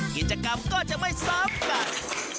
กิจกรรมก็จะไม่ซ้ำกัน